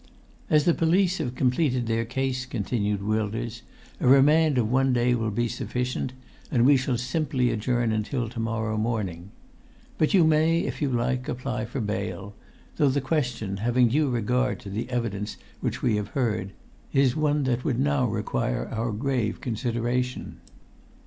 "As the police have completed their case," continued Wilders, "a remand of one day will be sufficient, and we shall simply adjourn until to morrow morning. But you may, if you like, apply for bail; though the question, having due regard to the evidence which we have heard, is one that would now require our grave consideration."